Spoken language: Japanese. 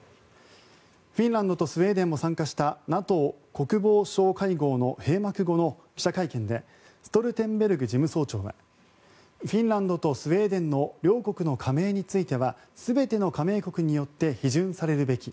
フィンランドとスウェーデンも参加した、ＮＡＴＯ国防相会合の閉幕後の記者会見でストルテンベルグ事務総長はフィンランドとスウェーデンの両国の加盟については全ての加盟国によって批准されるべき。